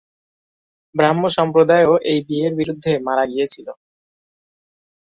ব্রাহ্ম সম্প্রদায়ও এই বিয়ের বিরুদ্ধে মারা গিয়েছিল।